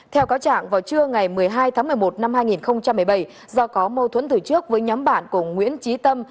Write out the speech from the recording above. theo cáo trạng vào trưa ngày một mươi hai tháng một mươi một năm hai nghìn một mươi bảy do có mâu thuẫn từ trước với nhóm bạn của nguyễn trí tâm